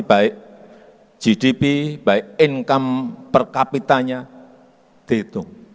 baik gdp baik income per kapitanya dihitung